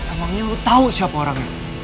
emangnya lo tau siapa orangnya